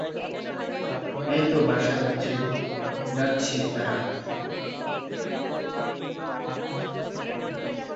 সে তার মাকে এটি ছুড়ে ফেলতে না বলে।